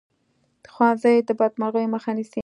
ښوونځی د بدمرغیو مخه نیسي